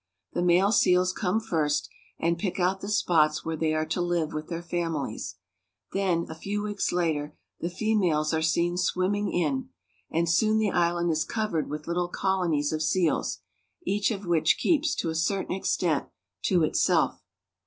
The male seals come first, and pick out the spots where they are to live with their fam iUes; then, a few weeks later, the females are seen swim ming in ; and soon the island is covered with little colonies of seals, each of which keeps, to a certain extent, to itself.